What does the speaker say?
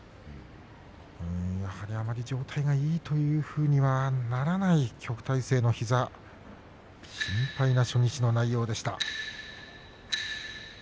あまり状態がいいというふうにはならない旭大星の膝心配な初日の内容でした。